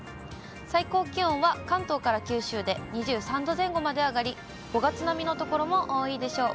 最高気温は関東から九州で２３度前後まで上がり、５月並みの所も多いでしょう。